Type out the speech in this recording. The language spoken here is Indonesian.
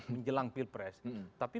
menjelang pilpres tapi